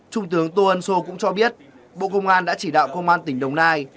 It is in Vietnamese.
trung tướng tô ân sô cũng cho biết bộ công an đã chỉ đạo công an tỉnh đồng nai